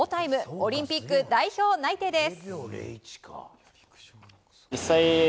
オリンピック代表内定です。